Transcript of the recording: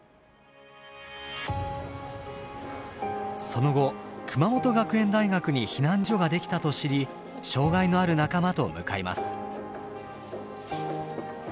その後熊本学園大学に避難所ができたと知り障害のある仲間と向かいます。